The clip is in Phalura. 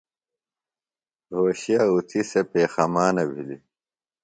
رھوشے اُتھیۡ سےۡ پیخَمانہ بِھلیۡ۔